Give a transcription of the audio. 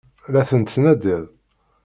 La ten-tettnadiḍ?